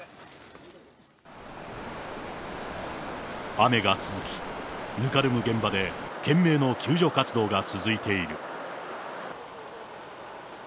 雨が続き、ぬかるむ現場で懸命の救助活動が続いている。